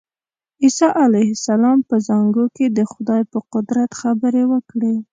عیسی علیه السلام په زانګو کې د خدای په قدرت خبرې وکړې.